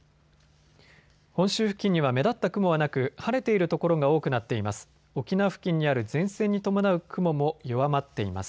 本州付近には目立った雲はなく晴れている所が多くなっています。